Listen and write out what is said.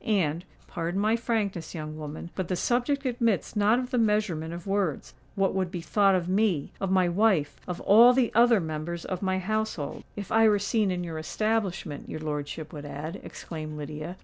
And—pardon my frankness, young woman; but the subject admits not of the measurement of words—what would be thought of me—of my wife—of all the other members of my household——" "If I were seen in your establishment, your lordship would add," exclaimed Lydia.